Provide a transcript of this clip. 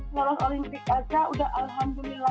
cuma kan harus betul betul persiapannya kan harus mateng kayak gitu